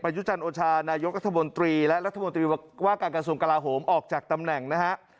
ยุจันโอชานายกรัฐมนตรีและรัฐมนตรีว่าการกระทรวงกลาโหมออกจากตำแหน่งนะฮะ